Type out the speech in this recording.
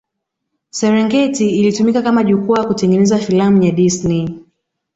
Serengeti ilitumika kama jukwaa kutengeneza filamu ya Disney